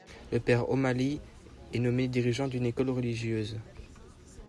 Le père O'Malley est nommé dirigeant d'une école religieuse.